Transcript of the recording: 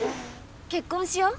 結婚しよう。